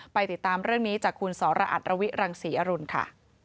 ติดตามเรื่องนี้จากคุณสรอัตรวิรังศรีอรุณค่ะ